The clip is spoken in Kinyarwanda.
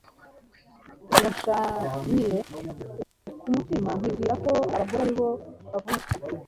ngo nshanire. ubwo ku mutima nkibwira ko abagore ari bo bavunika